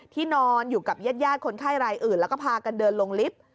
นอนอยู่กับญาติคนไข้รายอื่นแล้วก็พากันเดินลงลิฟต์